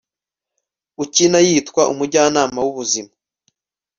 ukina yitwa umujyanama w'ubuzima